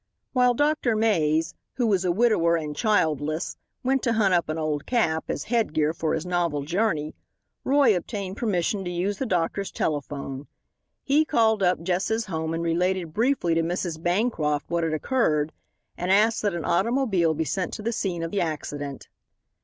While Dr. Mays, who was a widower and childless, went to hunt up an old cap, as headgear for his novel journey, Roy obtained permission to use the doctor's telephone. He called up Jess's home and related briefly to Mrs. Bancroft what had occurred, and asked that an automobile be sent to the scene of the accident.